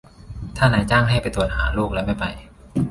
ถ้านายจ้างให้ไปตรวจหาโรคแล้วไม่ไป